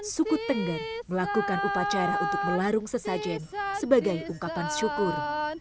suku tengger melakukan upacara untuk melarung sesajen sebagai ungkapan syukur